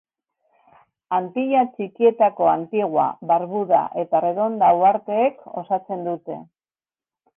Antilla Txikietako Antigua, Barbuda eta Redonda uharteek osatzen dute.